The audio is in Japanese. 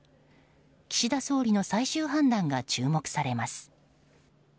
岸田総理の最終判断が注目されます。